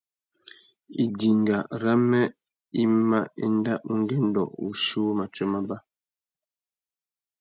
Idinga râmê i mà enda ungüêndô wuchiuwú matiō mábá.